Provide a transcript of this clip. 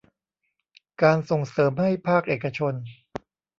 การส่งเสริมให้ภาคเอกชน